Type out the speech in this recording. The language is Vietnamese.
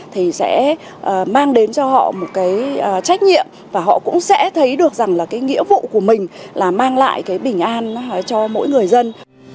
thì sẽ mang đến cho họ một cái trách nhiệm và họ cũng sẽ thấy được rằng là cái nghĩa vụ của mình là mang lại cái bình an cho mỗi người dân